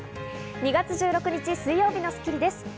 ２月１６日、水曜日の『スッキリ』です。